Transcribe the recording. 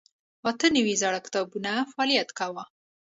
اته نوي زره کاتبانو فعالیت کاوه.